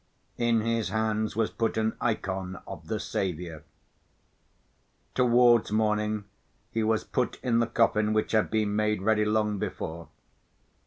In his hands was put an ikon of the Saviour. Towards morning he was put in the coffin which had been made ready long before.